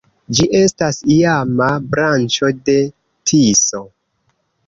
Ĝi estas iama branĉo de Tiso.